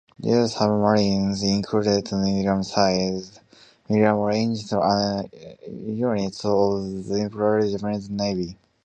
These submarines included medium-sized medium-ranged units of the Imperial Japanese Navy.